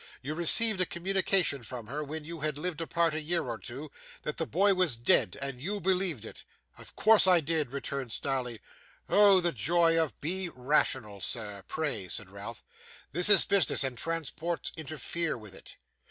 You received a communication from her, when you had lived apart a year or two, that the boy was dead; and you believed it?' 'Of course I did!' returned Snawley. 'Oh the joy of ' 'Be rational, sir, pray,' said Ralph. 'This is business, and transports interfere with it.